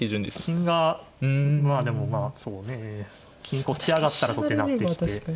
金がまあでもまあそうね金こっち上がったら取って成ってきて。